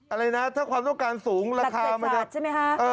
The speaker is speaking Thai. อะไรนะถ้าความต้องการสูงราคามันจะรักษัตริย์ใช่ไหมฮะ